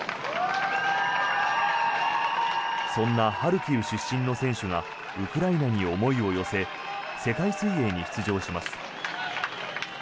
そんなハルキウ出身の選手がウクライナに思いを寄せ世界水泳に出場します。